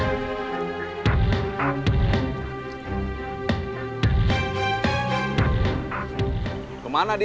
aku jangan ke atas tadi